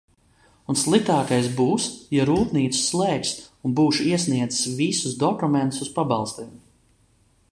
Un sliktākais būs, ja rūpnīcu slēgs un būšu iesniedzis visus dokumentus uz pabalstiem.